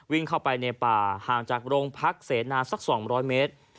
วิ่งเข้าไปในป่าห่างจากโรงพักเสนาสัก๒๐๐เมตร